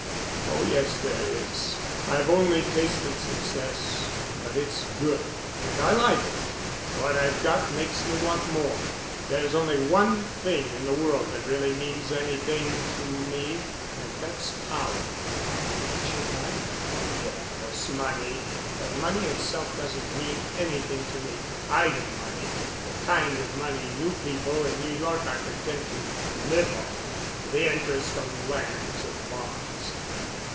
"Oh, yes, there is. I've only tasted success, but it's good, and I like it. What I've got makes me want more. There's only one thing in the world that really means anything to me—and that's power——" "But your money——" "Yes, money. But money itself doesn't mean anything to me—idle money—the kind of money you people in New York are content to live on, the interest on land or bonds.